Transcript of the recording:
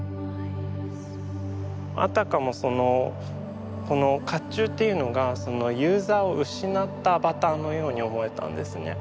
あたかもそのこの甲冑っていうのがユーザーを失ったアバターのように思えたんですね。